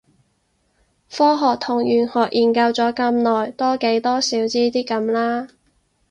科學同玄學研究咗咁耐，多幾多少知啲咁啦